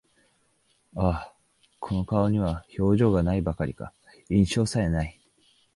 ああ、この顔には表情が無いばかりか、印象さえ無い